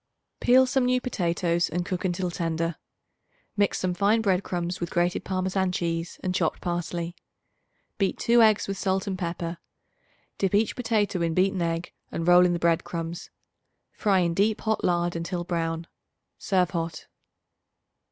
Peel some new potatoes and cook until tender. Mix some fine bread crumbs with grated Parmesan cheese and chopped parsley. Beat 2 eggs with salt and pepper; dip each potato in beaten egg and roll in the bread crumbs. Fry in deep hot lard until brown. Serve hot.